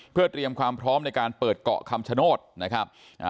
เพื่อเตรียมความพร้อมในการเปิดเกาะคำชโนธนะครับ